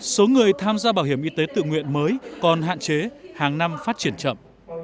số người tham gia bảo hiểm y tế tự nguyện mới còn hạn chế hàng năm phát triển chậm